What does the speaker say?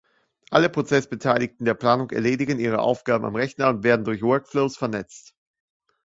Alle Prozessbeteiligten der Planung erledigen ihre Aufgaben am Rechner und werden durch Workflows vernetzt.